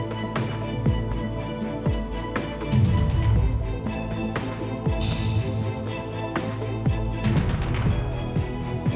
ได้ยินไหมเกมมพลิก